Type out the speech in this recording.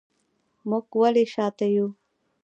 موږ ولې شاته یو؟